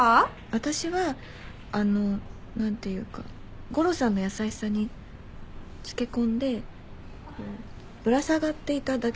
私はあのなんていうかゴロさんの優しさにつけ込んでぶら下がっていただけなんです。